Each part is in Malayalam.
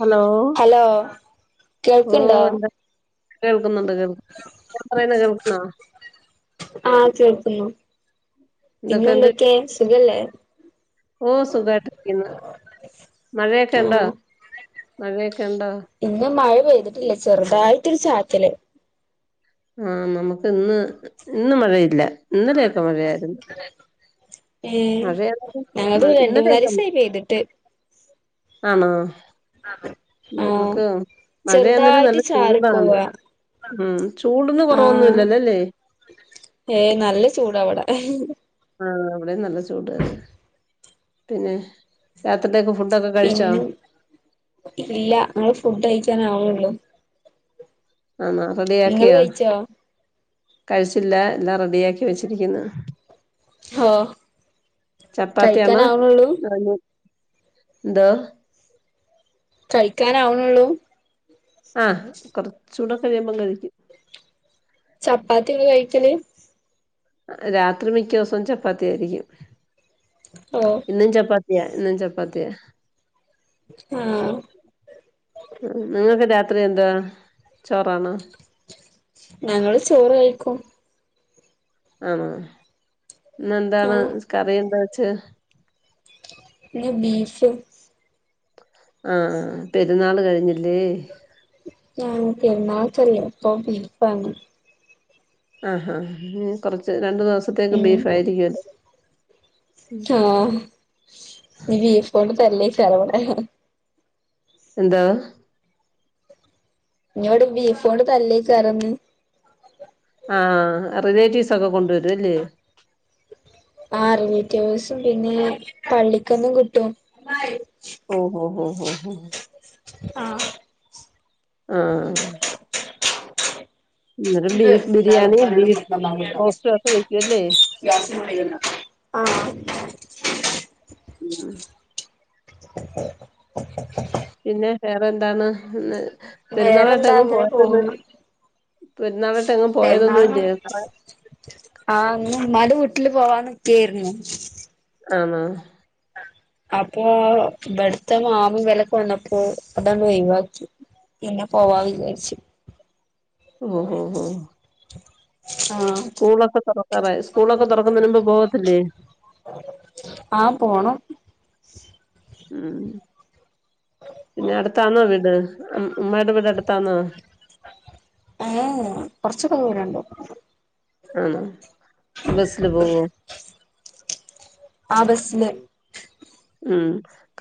ഹലോ ഹലോ ഓ കേൾക്ക്‌ണ്ടോ? എന്തൊക്കെ കേൾക്കുന്നുണ്ട് കേൾ ഞാൻ പറയുന്ന കേൾക്കുന്നൊ? ആഹ് കേൾക്കുന്നു എന്തൊക്കെയുണ്ട് പിന്നെന്തൊക്കെ സുഖല്ലേ? ഓഹ് സുഖായിട്ടിരിക്കുന്നു മഴയൊക്കെയൊണ്ടോ ആഹ് മഴയൊക്കെ ഒണ്ടോ? ഇന്ന് മഴ പെയ്തിട്ടില്ല ചെറുതായിട്ടൊരു ചാറ്റല്- ആഹ് നമുക്ക് ഇന്ന് ഇന്ന് മഴയില്ല ഇന്നലെയൊക്കെ മഴയായിരുന്നു. ഏഹ് മഴയാണ് ഞങ്ങക്ക്‌ മ- ഇന്നലെയൊക്കെ മ- രണ്ട്മൂന്നാലീസായി പെയ്തിട്ട്. ആണോ? ആതേ. നമുക്ക് മഴയന്നേരം നല്ല ചാറി ചൂടാണ്. പോവാ ഉം ചൂട്ന് ആഹ് കുറവൊന്നുംല്ലല്ലോല്ലേ? ഏഹ് നല്ല ചൂടവിടെ ആഹ് ഇവിടെ നല്ല ചൂട്ന്നേ പിന്നെ? രാത്രിലേക്ക് ഫുഡൊക്കെ കഴിച്ചോ? പിന്നെ ഇല്ല ങ്ങള് ഫുഡ് കഴിക്കാൻ ആ വ്ന്നേള്ളൂ. ആന്നോ നിങ്ങള് റെഡിയാക്കിയോ കഴിച്ചോ കഴിച്ചില്ല എല്ലാം റെഡി ആക്കി വെച്ചിരിക്കുന്നു. ഹോ ചപ്പാത്തിയാന്നോ കഴിക്കാനാവണൊള്ളൂ അതൊനി എന്തോ? കഴിക്കാനാവ്ണേള്ളൂ. ആഹ് കൊറച്ചൂടെ കഴിയുമ്പം കഴിക്കും. ചപ്പാത്തി ഇങ്ങള് കഴിക്കല് രാത്രി മിക്ക ദിവസവും ചപ്പാത്തി ആയിരിക്കും ഓഹ് ഇന്നും ചപ്പാത്തി അയാ എന്നും ചപ്പാത്തിയാ ആഹ് നിങ്ങൾക്ക് രാത്രി എന്താ ചോറാണോ ഞങ്ങള് ചോറ് കഴിക്കും ആണോ ഇന്ന് എന്താണ് ആഹ് കറി എന്താ വെച്ച് ഇന്ന് ബീഫ് ആഹ പെരുന്നാൾ കഴിഞ്ഞില്ലേ ആഹ് പെരുന്നാളൊക്കെ അല്ലെ അപ്പം ബീഫാണ് ആഹാ കുറച്ച് രണ്ടു ദിവസത്തേക്ക് ഉം ബീഫ് ആയിരിക്കുംല്ലേ ഓഹ് ഇനി ബീഫോണ്ട് തല്ലേകാരം ഇവിടെ എന്താ ഇഞോവിട് ബീഫോണ്ട് തല്ലേകാരം ന്ന് ആ റിലേറ്റീവ്സ് ഒക്കെ കൊണ്ടുവരുംല്ലേ ആ റിലേറ്റീവ്സും പിന്നെ പള്ളിക്കൊന്നും കിട്ടും ഓഹ് ഓഹ് ഓഹ് ആഹ് ആഹ് അന്നേരം ഇത് ബീഫ് എന്താലും ബിരിയാണി ബീഫ് പരളുംന്നങ്ങ പറ റോസ്റ്റും ഒക്കെ വെക്കുവല്ലേ [unintelligible] [unintelligible] ആഹ് ഉം ആ പിന്നെ വേറെ എന്താണ് പെരുന്നാളായിട്ട് വേറെന്താ എങ്ങും അങ്ങനെ പോകാത്തതെന്ത് പെരുന്നാൾ എന്നാ ആഹ ഉമ്മാടന്റെ വീട്ടില് പോവാനിക്കെയായിരുന്നു ആഹാ അപ്പൊ വെടുത്ത മാമൻ വിലക്ക് വന്നപ്പോ അതന്ന് ഒഴിവാക്കി പിന്നെ പോവാന്ന് വിചാരിച്ചു ഓഹ് ഓഹ് ആഹ് സ്കൂളൊക്കെ തുറക്കാറായോ സ്കൂളൊക്കെ തുറക്കുന്നതിന് മുമ്പ് പോകത്തില്ലേ ആഹ പോണം ഉം പിന്നെ അടുത്താണോവീട് ഉമ്മാടെ വീട് അടുത്താന്നോ ഏഹ് കൊറച് ദൂരം ഉണ്ട് ആണോ ബസില് പോവോ ആഹ് ബസ്സില് ഉം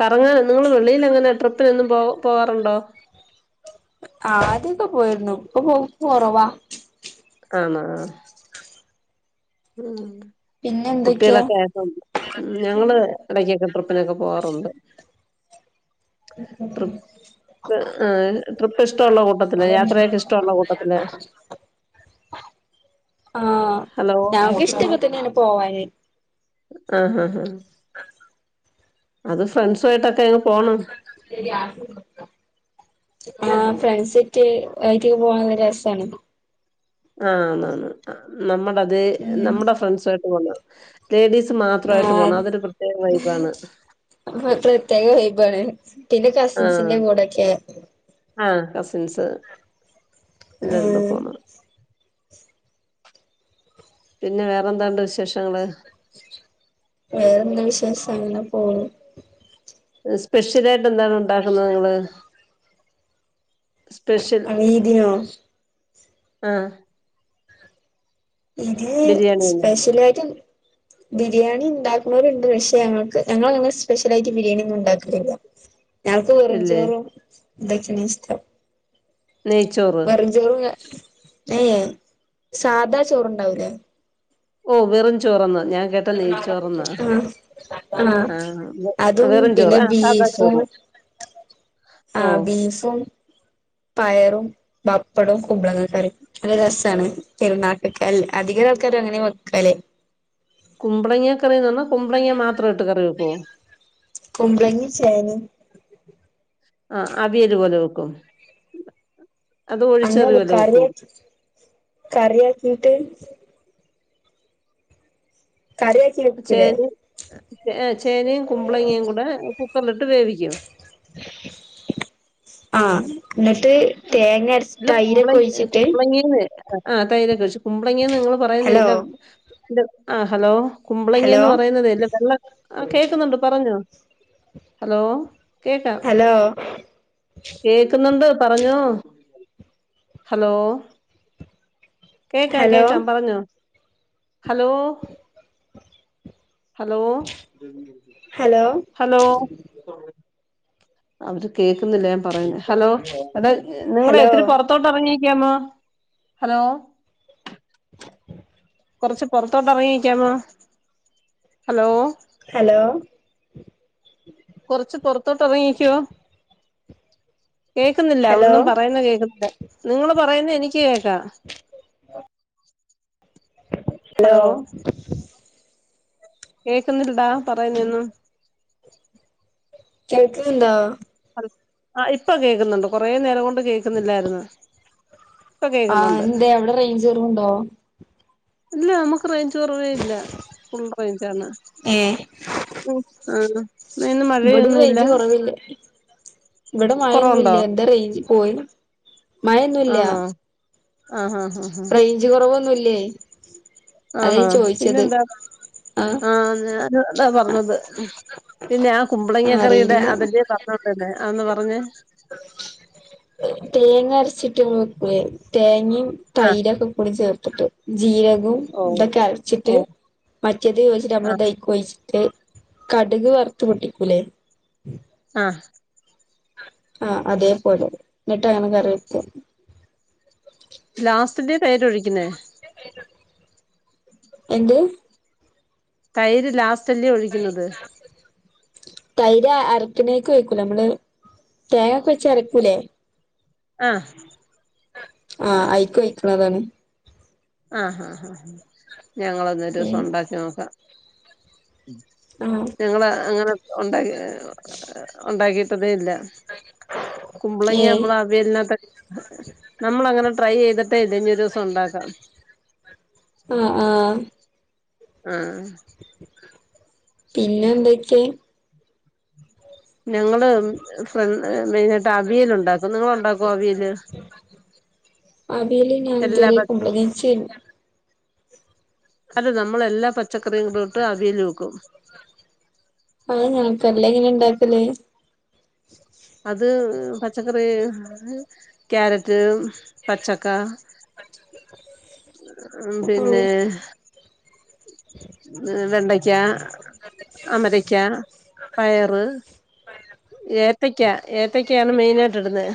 കറങ്ങാന നിങ്ങൾ വെളിൽ എങ്ങനെ ട്രിപ്പിനന്നും പോ പോവാറുണ്ടോ ആഹ് ആദ്യക്കെ പോയിരുന്നു ഇപ്പൊ പോക്‌ കൊറവാ ആന്നാ ഉം പിന്നെ എന്തൊക്കെയാ കുട്ടികളൊക്കെ ആയപ്പ ഉം ഞങ്ങള് ഇടക്കൊക്കെ ട്രിപ്പിനൊക്കെ പോകാറുണ്ട് [unintelligible] ട്രിപ്പ് ഇഷ്ടമുള്ള കൂട്ടത്തില് യാത്രയൊക്കെ ഇഷ്ടമുള്ള കൂട്ടത്തില് [unintelligible] ആഹ് ഹലോ ഞങ്ങക്ക ഉം. ഇഷ്ടക്കെ തന്നെ പോവാന് ആഹ് ആഹ് ആഹ് [unintelligible] അത് ഫ്രണ്ട്സ് ആയിട്ടൊക്കെ അങ്ങ് പോണം ശരിയാ ആഹ ഫ്രണ്ട്സിറ്റ് ആയിറ്റ് പോകാൻ രസാണ് ആഹ ആന്ന് ആന്ന് നമ്മടെ അതെ ഉം നമ്മടെ ഫ്രണ്ട്സ് ആയിട്ട് പോണത് ലേഡീസ് മാത്രമായിട്ട് പോകണം അതൊരു പ്രത്യേക വൈബാണ്. ആഹ് പ്രത്യേക വൈബാണ് പിന്നെ ആഹ് കസിൻസിന്റെ കൂടെക്കെ ആഹ് കസിൻസ് എല്ലാവരും ഉം പിന്നെ വേറെന്താണ്ട് വിശേഷങ്ങള് വേറെന്ത വിശേഷം അങ്ങനെ പോണു സ്പെഷ്യല് ആയിട്ട് എന്താണ് ഉണ്ടാക്കുന്നത് നിങ്ങള് സ്പെഷ്യൽ അവ ഇതിനോ ആഹ് ഇത് ബിരിയാണി തന്നെ സ്പെഷ്യൽ ആയിട്ട് ബിരിയാണി ഉണ്ടാക്കുന്നവരുണ്ട് പക്ഷെ ഞങ്ങൾക്ക് ഞങ്ങള് സ്പെഷ്യലായിട്ട് ബിരിയാണി ഒന്നും ഉണ്ടാക്കലില്ല [unintelligible] ഞങ്ങൾക്ക് വെറും ഇല്ലേ ചോറും ഇതൊക്കെയാണ് ഇഷ്ടം നെയ്ച്ചോറ് ചോറ ഏഹ് സാധാ ചോറ്ണ്ടാവൂലേ ഓഹ് വെറും ചോറ്ന്ന് ഞാ ഞാൻ കേട്ടാ നെയ്ചോറ്ന്നാ ആ ആ ആഹ അതും വെറുംചോറ് പിന്നെ ആഹ സാദാ ചോറ് ഓ ആഹ് ബീഫും പയറും പപ്പടവും കുമ്പളങ്ങ കറി ഒരു രസാണ് പെരുന്നാക്കൊക്കെ അധികം ആൾക്കാരൊക്കെ അങ്ങനെ വെക്കല് കുമ്പളങ്ങ കറിന്ന് പറഞ്ഞാൽ കുമ്പളങ്ങ മാത്ര ഇട്ട് കറി വെക്കുവോ കുമ്പളങ്ങേ ചേനേം ആഹ അവിയല് പോലെ വെക്കും അത് ഒഴിച്ചെറി അങ്ങനെല്ല പോലെ വെക്കോ കറിയാക്കി കറിയാക്കിട്ട് കറി ചേന ഏഹ ചേനയും കുമ്പളങ്ങയും കൂടെ കുക്കറിലിട്ട് വേവിക്ക ആഹ് എന്നിട്ട് ആഹ തേങ്ങ ഇല്ല അരച്ചിട്ട് കുമ്പള അയിലൊക്കെ ഒഴിച്ചിട്ട് കുമ്പളങ്ങേന്ന് ആഹ തൈരക്കെ വച്ചു കുമ്പളങ്ങിയന്ന് നിങ്ങള് ഹലോ പറയുന്നല്ല ആഹ് ഹലോ ഹലോ കുമ്പളങ്ങിയന്ന് പറയുന്നതേ അല്ലേ വെള്ള ആഹ കേൾക്കുന്നുണ്ട് പറഞ്ഞോ ഹലോ കേക്കാം ഹലോ കേക്കുന്നുണ്ട് പറഞ്ഞോ ഹലോ കേക്കാം ഹലോ കേക്കാം പറഞ്ഞോ ഹലോ ഹലോ ഹലോ ഹലോ അവര് കേൾക്കുന്നില്ല ഞൻ പറയുന്ന ഹലോ [unintelligible] നിങ്ങളെ ഹലോ പുറത്ത് ത്തോട്ട് ഇറങ്ങിയിരിക്കാമോ ഹലോ കുറച്ച് പുറത്തോട്ട് ഇറങ്ങിയിരിക്കാമോ ഹലോ ഹലോ കുറച്ച് പുറത്തോട്ട് ഇറങ്ങിക്കുവോ കേക്കുന്നില്ല ഹലോ ഒന്നും പറയുന്നെ കേൾക്കുന്നില്ല നിങ്ങള് പറയുന്ന എനിക്ക് കേക്കാം ഹലോ കേക്കുന്നില്ലടാ പറയുന്നെ ഒന്നും കേൾക്കുന്നുണ്ടാ ഹ ആ ഇപ്പൊ കേക്കുന്നുണ്ട് കൊറെ നേരം കൊണ്ട് കേക്കുന്നില്ലായിരുന്നു ഇപ്പൊ ആഹ് കേക്കുന്നുണ്ട് എന്തെ അവിടെ റേഞ്ച് കുറവ് ഉണ്ടോ ഇല്ല നമ്മുക്ക് റേഞ്ച് കുറവേ ഇല്ല ഫുൾ റേഞ്ചാണ് ഏഹ് ഉം ആഹ് ഇവടെ റേഞ്ച് കൊറവ് തന്നെ ഇവിടെ മയ കുറവുണ്ടോ ഒന്നുവില്ല എന്റെ റേഞ്ച് പോയി മഴയൊന്നുവില്ല ആണോ ആഹ് ആഹ് ആഹ് റേഞ്ച് കൊറവൊന്നും ഇല്ലേ ആണോ പിന്നെന്താ ആഹ് ഞാനും അതാ പറഞ്ഞത് പിന്നെ ആ കുമ്പളങ്ങ കറിയുടെ അറിയില്ല അതിന്റെ പറഞ്ഞോണ്ട് തന്നെ ആന്ന് പറഞ്ഞ് തേങ്ങ അരച്ചിട്ടും വെക്കുവേ തേങ്ങയും ആ തൈരൊക്കെ കൂടി ചേർത്തിട്ട് ജീര കവും ഓ ഇതൊക്കെ ഓ അരച്ചിട്ട് മറ്റേത് വെച്ചിട്ട് നമ്മള് ഇത് ആഹ് അയിക്ക് ഒഴി ച്ചിട്ട് കടുക് വറുത്ത് പൊട്ടിക്കൂലേ ആഹ് ആഹ് അതേപോലെ എന്നിട്ട് വേണം കറിവെക്കാൻ ലാസ്റ്റല്ലേ തൈര് ഒഴിക്കുന്നേ എന്ത് തൈര് ലാ തൈര് ലാസ്റ്റല്ലേ തൈര് അരക്കിനേക്ക് ഒയ്ക്കൂലെ നമ്മള് തേങ്ങയൊക്കെ വച്ച് അരക്കൂലേ ആഹ് ആഹ് അയിക്ക് ഒയിക്കണതാണ് ആഹ് ആഹ് ആഹ് ഞങ്ങളെന്നാ ഒരു ദിവസം ഉം ഉണ്ടാക്കി നോക്കാം ആഹ് ഞങ്ങള് അങ്ങനെ ഉണ്ടാക്കി ഉണ്ടാക്കിട്ടതേ ഇല്ല കുമ്പളങ്ങാ ഏഹ് നമ്മള് അവിയലിനൊക്കെ നമ്മള് അങ്ങനെ ട്രൈ ചെയ്തിട്ടേ ഇല്ല ഇനി ഒരു ദിവസം ഉണ്ടാക്കാം ആഹ് ആഹ് ആഹ് പിന്നെ എന്തൊക്കെ ഞങ്ങള് ഫ്ര മെയിനായിട്ട് അവിയൽ ഉണ്ടാ ക്കും നിങ്ങള് ഉണ്ടാക്കുവോ അവിയല് അവിയല് ഞാൻ എല്ലാ ഇതുവരെ കുമ്പളങ്ങ വെച്ച് അല്ല നമ്മള് എല്ലാ പച്ചക്കറിയും കൂടെ ഇട്ട് അവിയല് വെക്കും അങ്ങനെ വെക്കും അല്ലേ എങ്ങനാ ഉണ്ടാക്കല് അത് പച്ചക്കറി ക്യാരറ്റ് പച്ചക്കാ ഉം ഓ പിന്നെ വെണ്ടയ്ക്കാ അമരക്കാ പയറ് ഏ ത്തയ്ക്ക ഏത്തക്ക ആണ് മെയിനായിട്ട് ഇടുന്നേ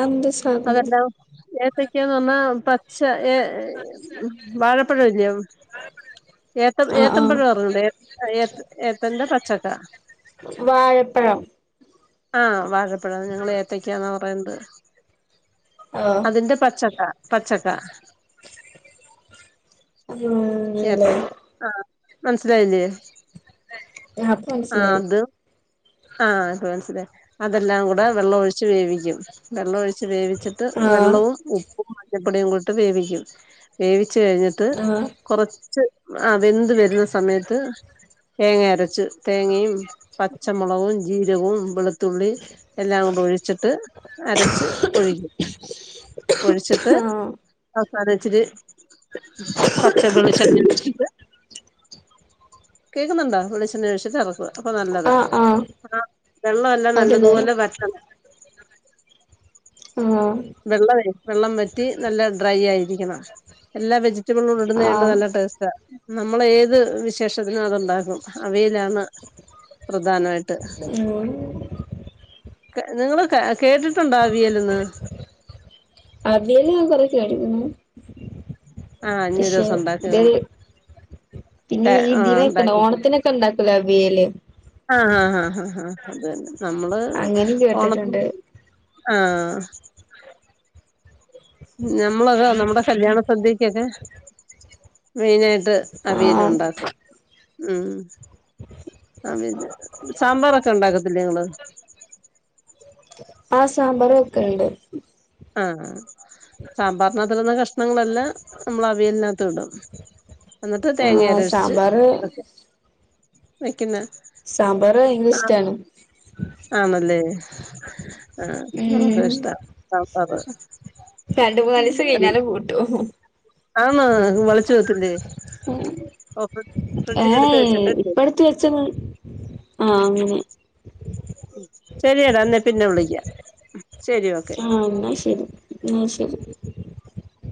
അതെന്താ സാധനം അതെല്ലാം ഏത്തക്കാന്ന് പറഞ്ഞാ പച്ച ഏ വാഴപ്പഴം ഇല്ലയോ ഏത്ത ആഹ് ആഹ് ഏത്തൻമ്പഴ അറിഞ്ഞുടെ ഏ ഏത്ത്ന്റെ പച്ചക്ക വാഴപ്പഴം ആഹ് വാഴപ്പയം ഞങ്ങള് ഏത്തക്കാന്നാ പറയ്ന്നത് ആഹ് അതിന്റെ പച്ചക്ക പച്ചക്ക ഉം ഏ ആഹ് മനസിലാായില്ലേ [unintelligible] അഹ് അത് ആഹ് അപ്പ മനസിലേ അതെല്ലാം കൂടെ വെള്ളം ഒഴിച്ച് വേവിക്കും വെള്ളമൊഴിച്ച് വേവിച്ചിട്ട് ആഹ് വെള്ളവും ഉപ്പ് മഞ്ഞപ്പൊടിയും കൂടിട്ട് വേവിക്കും വേവിച്ച് കഴിഞ്ഞിട്ട് ആഹ് കുറച്ച് അഹ് വെന്ത് വരുന്ന സമയത്ത് തേങ്ങ അരച്ച് തേങ്ങയും പച്ചമുളകും ജീരവും വെളുത്തുള്ളി എല്ലാം കൊണ്ട് ഒഴിച്ചിട്ട് അരച്ച് ഒഴിക്കും ഒഴിച്ചിട്ട് ആഹ് അവസാന ഇച്ചിരി പച്ച വെളിച്ചെണ്ണ ഒഴിച്ചിട്ട് കേക്കുന്നുണ്ടോ വെളിച്ചെണ് ഒഴിച്ചിട്ട് ഇറക്കുക അപ്പൊ നല്ലതാ ആഹ് ആഹ് ആ വെള്ളം എല്ലാം അതല്ലേ നല്ലതുപോലെ വ അഹ് വെള്ളമേ വെള്ളം വറ്റി നല്ല ഡ്രൈ ആയിരിക്കണം എല്ലാ വെജിറ്റബിളും ഇടുന്നണ്ട് ആഹ് നല്ല ടേസ്റ്റാ നമ്മള ഏത് വിശേഷത്തിന് അത്ണ്ടാക്കും അവയിലാണ് പ്രധാനമായിട്ട് ഉം നിങ്ങള് കേട്ടിട്ടുണ്ട അവിയലന്ന് അവിയല് ഞാൻ കൊറെ കേ ആഹ് ഇനി [unintelligible] ഒരു ഷേ ദിവസം ത് ഉണ്ടാക്കിക്കണം പിന്നെ ഈ ആഹ് ദിനൊക്ക ണ് ഉണ്ടാക്കിട്ട് ഓണത്തിനൊക്കെ ഉണ്ടാക്കൂലേ അവിയല് അഹ് അഹ് ആഹ് അത തന്നെ നമ്മള് അങ്ങനിം ഓണത്തി കേട്ടിട്ടുണ്ട് ആഹ് നഞമ്മളതാ നമ്മുടെ കല്യാണ സദ്യക്കൊക്കെ മെയിനായിട്ട് അവിയൽ ആഹ് ഉണ്ടാക്കും ഉം ആ സാമ്പാറൊക്കെ ഉണ്ടാക്കത്തില്ലെ ങ്ങള് അഹ് സാമ്പാറ് വെക്കലുണ്ട് ആഹ് സാമ്പാറിനകത്തിടുന്ന കഷ് ണങ്ങളെല്ലാം നമ്മൾ അവിയലിനകത്ത് ഇടും എന്നിട്ട് തേങ്ങ ആഹ് അരച്ച് സാമ്പാറ് വെക്കും വെക്കുന്ന സാമ്പാർ ഭയങ്കും ആ ഇഷ്ടാണ് ആണല്ലേ ആഹ് നമുക്ക ഉം ഇഷ്ട സാമ്പാര് രണ്ട് മൂന്നാലി ദിവസ കഴഞ്ഞാലും കൂട്ടും ആന്ന വളിച്ചു പോത്തില്ലേ ഏഹ് ഇപ്പടുത്ത വെച്ച അഹ് അങ്ങനെ ശെരിയടാ എന്നാ പിന്നെ വിളിക്കാം ശരി ഓക്കെ അഹ് എന്നാ ശരി എന്നാ ശരി